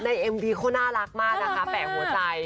ในเอ็มพีโค่น่ารักมากนะคะแปะหัวใจ